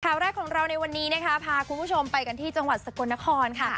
ข่าวแรกของเราในวันนี้นะคะพาคุณผู้ชมไปกันที่จังหวัดสกลนครค่ะ